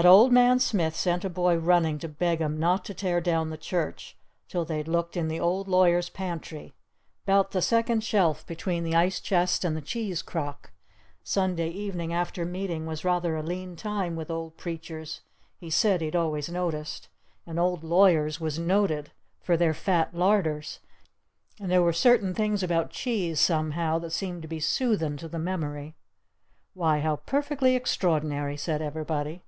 But Old Man Smith sent a boy running to beg 'em not to tear down the church till they'd looked in the Old Lawyer's pantry, 'bout the second shelf between the ice chest and the cheese crock. Sunday evening after meeting was rather a lean time with Old Preachers he said he'd always noticed. And Old Lawyers was noted for their fat larders. And there were certain things about cheese somehow that seemed to be soothin' to the memory. "Why, how perfectly extraordinary!" said everybody.